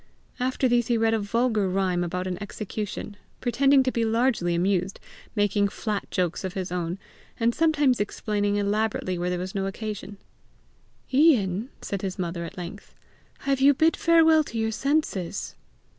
After these he read a vulgar rime about an execution, pretending to be largely amused, making flat jokes of his own, and sometimes explaining elaborately where was no occasion. "Ian!" said his mother at length; "have you bid farewell to your senses?"